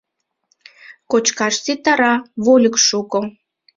Кочкаш ситара, вольык шуко.